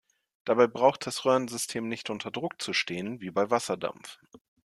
Dabei braucht das Röhrensystem nicht unter Druck zu stehen, wie bei Wasserdampf.